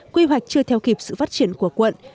quy hoạch chưa theo kịp sự phát triển của quận